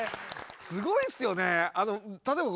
すごいっすよね！